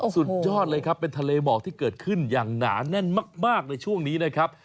สุดยอดเลยครับเป็นทะเลหมอกที่เกิดขึ้นอย่างหนาแน่นมากในช่วงนี้นะครับ